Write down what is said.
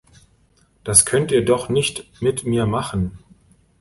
Das könnt ihr doch nicht mit mir machen!